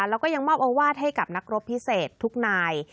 แล้วก็ยังมอบโอวาสให้กับนักรบพิเศษทุกนาย